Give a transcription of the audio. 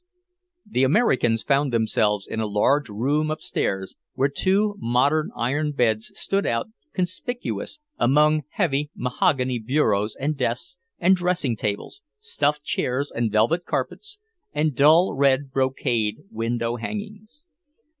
The Americans found themselves in a large room upstairs, where two modern iron beds stood out conspicuous among heavy mahogany bureaus and desks and dressing tables, stuffed chairs and velvet carpets and dull red brocade window hangings.